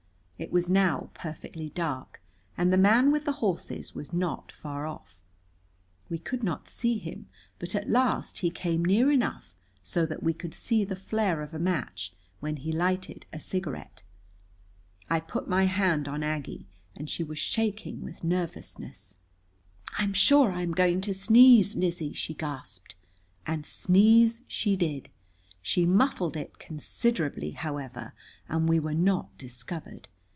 It was now perfectly dark, and the man with the horses was not far off. We could not see him, but at last he came near enough so that we could see the flare of a match when he lighted a cigarette. I put my hand on Aggie, and she was shaking with nervousness. "I am sure I am going to sneeze, Lizzie," she gasped. And sneeze she did. She muffled it considerably, however, and we were not discovered.